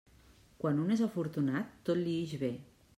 Quan un és afortunat tot li ix bé.